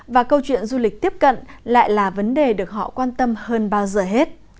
và câu chuyện du lịch tiếp cận lại là vấn đề được họ quan tâm hơn bao giờ hết